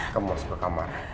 kamu masuk ke kamar